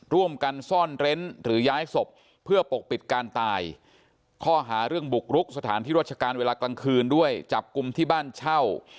ร่วมกันซ่อนเร้นหรือย้ายศพเพื่อปกปิดการตายข้อหาเรื่องบุกรุกสถานที่รัชการเวลากลางคืนด้วยจับกลุ่มที่บ้านเช่า